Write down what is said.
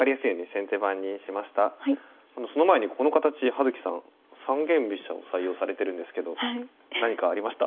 その前にこの形葉月さん三間飛車を採用されてるんですけど何かありました？